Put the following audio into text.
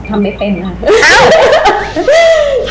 ทำไม่เป็นค่ะ